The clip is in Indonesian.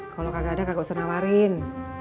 kalo kagak ada kagak usah nawarin